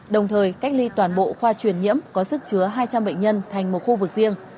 đồng thời cách ly toàn bộ khoa truyền nhiễm có sức chứa hai trăm linh bệnh nhân thành một khu vực riêng